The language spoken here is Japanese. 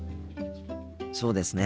そうですね。